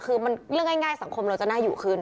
คือเรื่องง่ายสังคมเราจะน่าอยู่ขึ้น